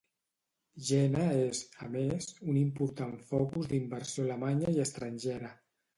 Jena és, a més, un important focus d'inversió alemanya i estrangera.